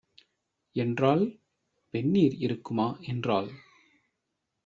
என்றாள். "வெந்நீர் இருக்குமா" என்றான்.